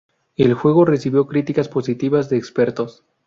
El juego recibió críticas positivas de expertos.